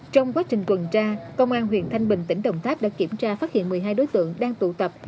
trong quá trình tuần tra công an huyện thanh bình tỉnh đồng tháp đã kiểm tra phát hiện một mươi hai đối tượng đang tụ tập